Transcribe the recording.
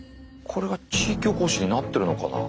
これが地域おこしになってるのかな。